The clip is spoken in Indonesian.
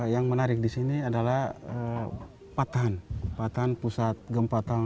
yang menarik di sini adalah patahan pusat gempa tahun seribu sembilan ratus sembilan puluh dua